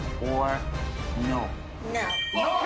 ＯＫ！